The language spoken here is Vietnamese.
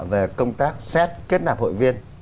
về công tác xét kết nạp hội viên